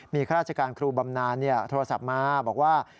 มีข้าราชการครูบำนานโทรศัพท์มาบอกว่า